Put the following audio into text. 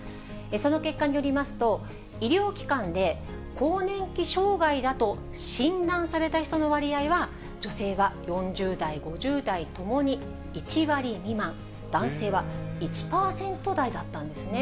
その結果によりますと、医療機関で更年期障害だと診断された人の割合は、女性は４０代、５０代ともに１割未満、男性は１％台だったんですね。